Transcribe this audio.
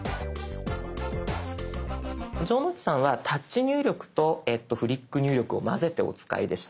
城之内さんはタッチ入力とフリック入力をまぜてお使いでした。